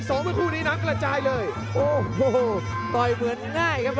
โอ้โหโอ้โห